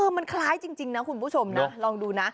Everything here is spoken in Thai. มันคล้ายจริงนะคุณผู้ชมนะลองดูนะ